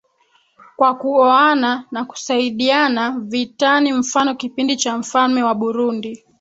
Kwa kuoana na kusaidiana vitani mfano kipindi cha mfalme wa burundi